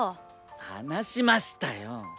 話しましたよ！